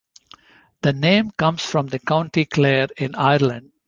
The name comes from the County Clare in Ireland.